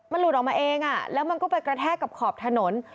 มันหลุดออกมาเองแล้วมันก็ไปกระแทกกับขอบถนน